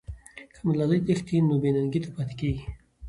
که ملالۍ تښتي، نو بې ننګۍ ته پاتې کېږي.